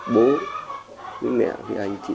bố với mẹ với anh chị